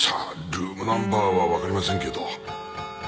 ルームナンバーは分かりませんけど。